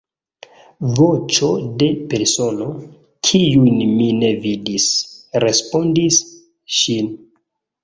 Voĉo de persono, kiun mi ne vidis, respondis ŝin.